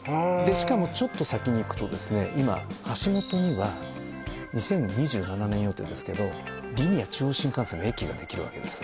しかもちょっと先に行くとですね今橋本には２０２７年予定ですけどリニア中央新幹線の駅ができるわけです